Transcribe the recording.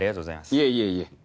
いえいえいえ。